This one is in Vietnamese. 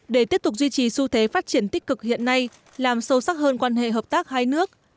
để tiếp tục duy trì xu thế phát triển tích cực hiện nay làm sâu sắc hơn quan hệ hợp tác hai nước